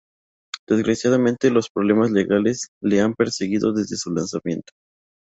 Desgraciadamente, los problemas legales la han perseguido desde su lanzamiento.